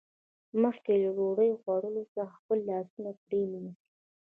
مخکې له ډوډۍ خوړلو څخه خپل لاسونه پرېمینځئ